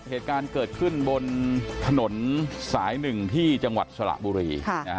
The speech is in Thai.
เหตุการณ์เกิดขึ้นบนถนนสาย๑ที่จังหวัดสระบุรี